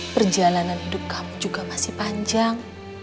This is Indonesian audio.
perjalanan hidup kamu juga masih panjang